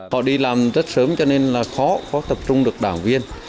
họ đi làm rất sớm cho nên là khó có tập trung được đảng viên